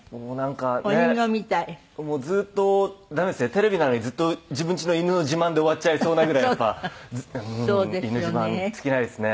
テレビなのにずっと自分ちの犬の自慢で終わっちゃいそうなぐらいやっぱ犬自慢尽きないですね。